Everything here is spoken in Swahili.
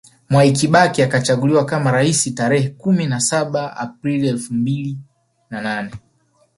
Mwai Kibaki akachaguliwa kama rais Tarehe kumi na saba Aprili elfu mbili na nane